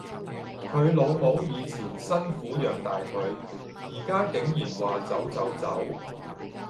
佢老母以前辛苦養大佢，而家竟然話走就走